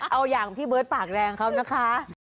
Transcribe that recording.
เอาอย่างพี่เบิร์ตปากแดงเขานะคะ